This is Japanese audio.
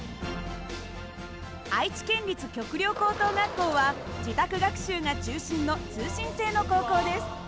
愛知県立旭陵高等学校は自宅学習が中心の通信制の高校です。